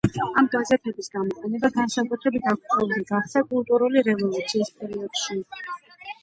ამ გაზეთების გამოყენება განსაკუთრებით აქტუალური გახდა კულტურული რევოლუციის პერიოდში.